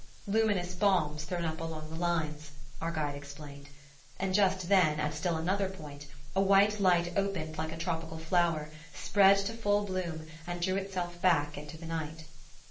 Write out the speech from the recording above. "Luminous bombs thrown up along the lines," our guide explained; and just then, at still another point a white light opened like a tropical flower, spread to full bloom and drew itself back into the night.